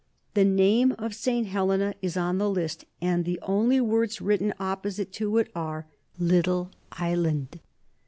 The name of St. Helena is on the list, and the only words written opposite to it are "Little Island."